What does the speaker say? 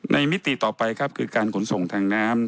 มิติต่อไปครับคือการขนส่งทางน้ำ